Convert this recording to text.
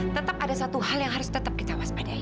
tetap ada satu hal yang harus tetap kita waspadai